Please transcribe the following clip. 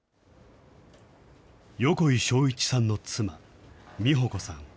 横井庄一さんの妻、美保子さん